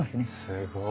すごい。